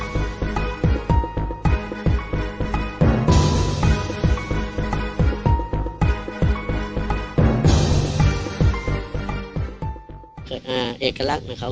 กินโทษส่องแล้วอย่างนี้ก็ได้